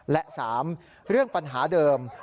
และ๓เรื่องปัญหาเดิม